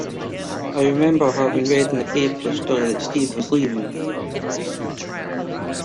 I remember having read in the paper the story that Steve was leaving.